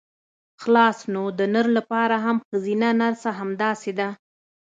خلاص نو د نر لپاره هم ښځينه نرسه همداسې ده.